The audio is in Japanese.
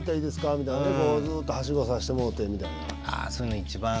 みたいなのでこうずっとはしごさしてもろうてみたいな。